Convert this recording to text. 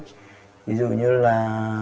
thí dụ như là